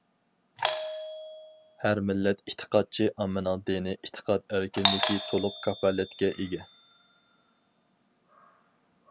ھەر مىللەت ئېتىقادچى ئاممىنىڭ دىنىي ئېتىقاد ئەركىنلىكى تولۇق كاپالەتكە ئىگە.